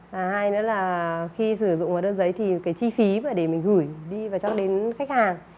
và hai nữa là khi sử dụng hóa đơn giấy thì cái chi phí để mình gửi đi và cho đến khách hàng